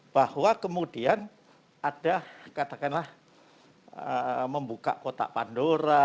bahwa kemudian ada katakanlah membuka kotak pandora